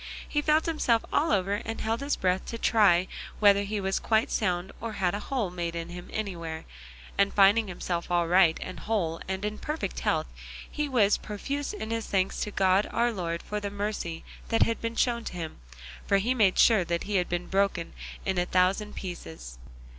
He felt himself all over and held his breath to try whether he was quite sound or had a hole made in him anywhere, and finding himself all right and whole and in perfect health he was profuse in his thanks to God our Lord for the mercy that had been shown him, for he made sure he had been broken into a thousand pieces.